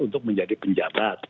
untuk menjadi penjabat